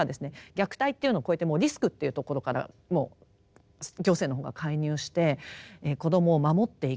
虐待っていうのを超えてもうリスクっていうところからもう行政の方が介入して子どもを守っていこうと。